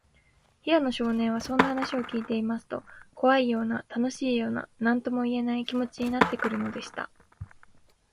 平野少年は、そんな話をきいていますと、こわいような、たのしいような、なんともいえない、気もちになってくるのでした。